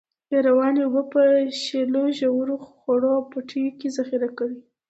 روانې اوبه په په شیلو، ژورو، خوړو او پټیو کې ذخیره کړی.